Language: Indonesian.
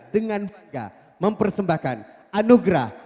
dengan bangga mempersembahkan anugerah